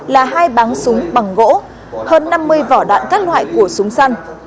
là hai bán súng bằng gỗ hơn năm mươi vỏ đạn các loại của súng săn